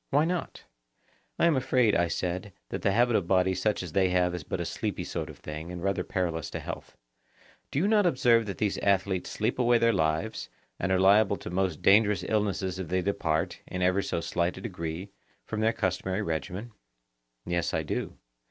Why not? I am afraid, I said, that a habit of body such as they have is but a sleepy sort of thing, and rather perilous to health. Do you not observe that these athletes sleep away their lives, and are liable to most dangerous illnesses if they depart, in ever so slight a degree, from their customary regimen? Yes, I do.